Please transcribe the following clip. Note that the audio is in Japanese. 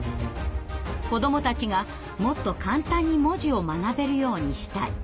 「子どもたちがもっと簡単に文字を学べるようにしたい」。